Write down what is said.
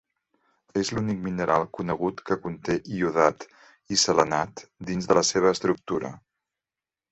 És l'únic mineral conegut que conté iodat i selenat dins de la seva estructura.